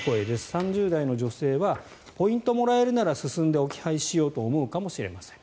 ３０代の女性はポイントがもらえるなら進んで置き配しようと思うかもしれません。